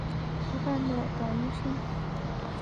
河畔的捣衣声